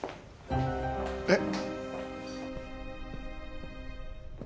えっ？